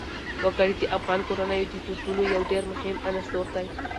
وګړي د افغان کورنیو د دودونو یو ډېر مهم عنصر دی.